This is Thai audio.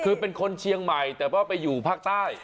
คือเป็นคนเชียงใหม่แต่ว่าไปอยู่ภาคใต้